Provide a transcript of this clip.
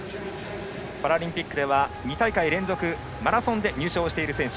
パラリンピックでは２大会連続マラソンで入賞をしている選手。